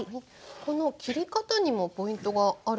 この切り方にもポイントがあるんでしょうか。